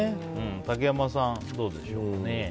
竹山さんはどうでしょう。